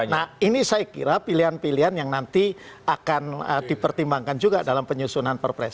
nah ini saya kira pilihan pilihan yang nanti akan dipertimbangkan juga dalam penyusunan perpres